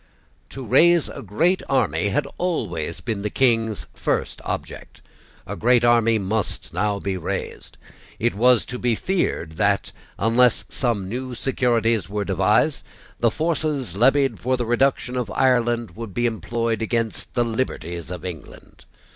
To raise a great army had always been the King's first object. A great army must now be raised. It was to be feared that, unless some new securities were devised, the forces levied for the reduction of Ireland would be employed against the liberties of England.